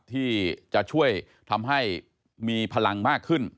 ที่จะช่วยทำให้มีพลังมากขึ้น